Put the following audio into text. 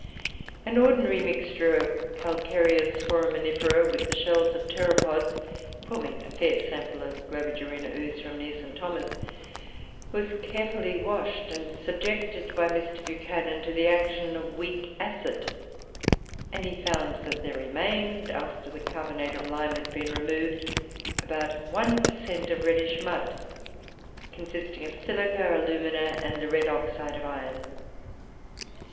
An ordinary mixture of calcareous Foraminifera with the shells of pteropods, forming a fair sample of Globigerina ooze from near St. Thomas, was carefully washed, and subjected by Mr. Buchanan to the action of weak acid; and he found that there remained after the carbonate of lime had been removed, about 1 per cent. of a reddish mud, consisting of silica, alumina, and the red oxide of iron.